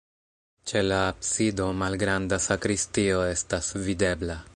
Ĉe la absido malgranda sakristio estas videbla.